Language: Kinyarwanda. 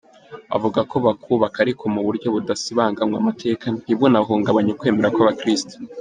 Avuga ko bakubaka ariko mu buryo budasibanganya amateka, ntibunahubanganye ukwemera kw’abakirisitu.